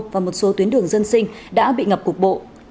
và một số tuyến đường dân sinh đã bị ngập cục bộ